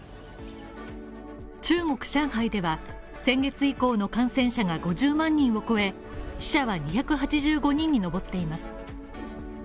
中国上海では先月以降の感染者が５０万人を超え死者は２８５人に上っています。